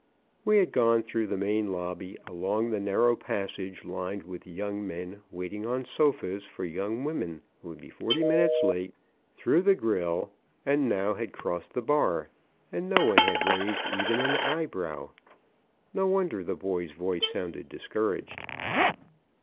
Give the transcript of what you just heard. We had gone through the main lobby, along the narrow passage lined with young men waiting on sofas for young women who would be forty minutes late, through the grill, and now had crossed the bar, and no one had raised even an eyebrow. No wonder the boy's voice sounded discouraged.